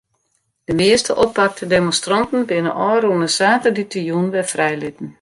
De measte oppakte demonstranten binne ôfrûne saterdeitejûn wer frijlitten.